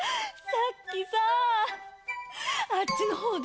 さっきさぁあっちのほうで。